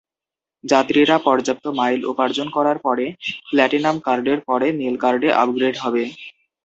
যাত্রীরা পর্যাপ্ত মাইল উপার্জন করার পরে, প্ল্যাটিনাম কার্ডের পরে নীল কার্ডে আপগ্রেড হবে।